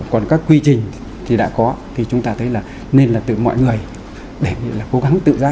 còn các quy trình thì đã có thì chúng ta thấy là nên là tự mọi người để là cố gắng tự ra